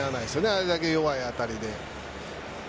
あれだけ弱い当たりで。